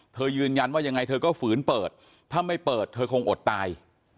ยืนยันว่ายังไงเธอก็ฝืนเปิดถ้าไม่เปิดเธอคงอดตาย